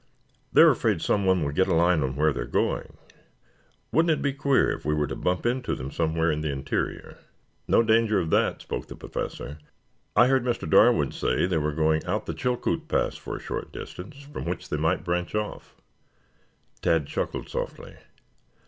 They are afraid someone will get a line on where they are going. Wouldn't it be queer if we were to bump into them somewhere in the interior?" "No danger of that," spoke up the Professor. "I heard Mr. Darwood say they were going out the Chilkoot Pass for a short distance, from which they might branch off." Tad chuckled softly.